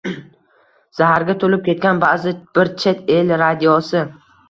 Zaharga to‘lib ketgan ba’zi bir chet el radiosi.